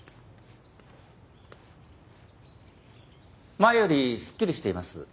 前よりすっきりしています。